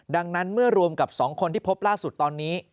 ดังนั้นเมื่อรวมกับ๒คนที่พบล่าสุดตอนนี้